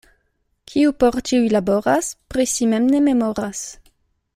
Kiu por ĉiuj laboras, pri si mem ne memoras.